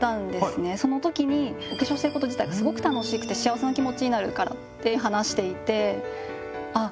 その時にお化粧してること自体はすごく楽しくて幸せな気持ちになるからって話していてあっ